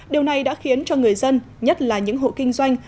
điều này đã khiến cho người dân nhất là những hộ kinh doanh